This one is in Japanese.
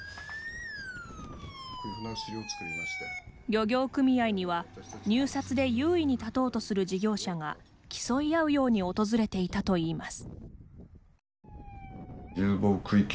漁業組合には、入札で優位に立とうとする事業者が競い合うように訪れていたといいます。